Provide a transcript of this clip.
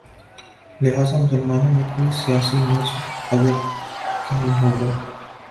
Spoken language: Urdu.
لہذا مسلمانوں میں کوئی سیاسی نظم اگر قائم ہو گا۔